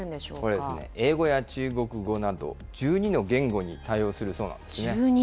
これですね、英語や中国語など、１２の言語に対応するそうな１２。